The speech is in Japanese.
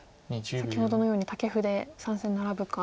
先ほどのようにタケフで３線ナラブか。